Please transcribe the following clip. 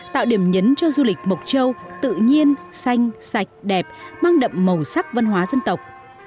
tạo điểm nhấn cho du lịch mộc châu tự nhiên xanh sạch đẹp mang đậm màu sắc văn hóa dân tộc